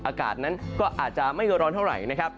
อากาศนั้นก็อาจจะไม่เยอะร้อนเท่าไหร่